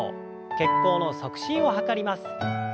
血行の促進を図ります。